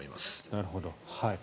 なるほど。